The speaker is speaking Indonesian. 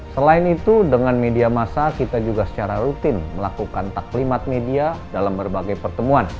selain itu dengan media massa kita juga secara rutin melakukan taklimat media dalam berbagai pertemuan